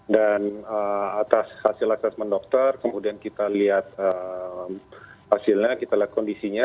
dan atas hasil asetmen dokter kemudian kita lihat hasilnya kita lihat kondisinya